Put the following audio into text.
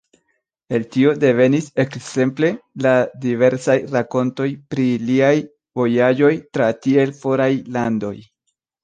El tio devenis, ekzemple, la diversaj rakontoj pri liaj vojaĝoj tra tiel foraj landoj.